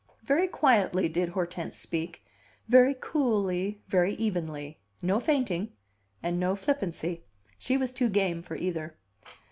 Very quietly did Hortense speak; very coolly, very evenly; no fainting and no flippancy; she was too game for either.